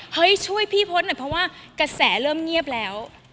ช่วยพี่พศหน่อยเพราะว่ากระแสเริ่มเงียบแล้ว